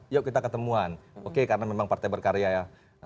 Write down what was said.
yuk kita ketemuan oke karena memang partai berkarya ya